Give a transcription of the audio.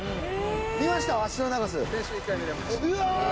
見ました？